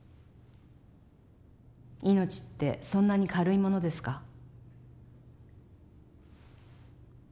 命ってそんなに軽いものですか？